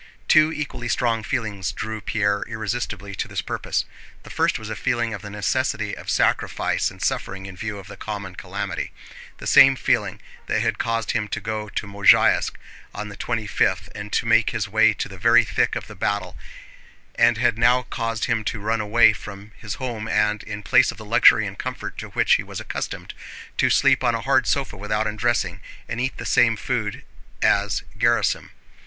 Two equally strong feelings drew Pierre irresistibly to this purpose. The first was a feeling of the necessity of sacrifice and suffering in view of the common calamity, the same feeling that had caused him to go to Mozháysk on the twenty fifth and to make his way to the very thick of the battle and had now caused him to run away from his home and, in place of the luxury and comfort to which he was accustomed, to sleep on a hard sofa without undressing and eat the same food as Gerásim.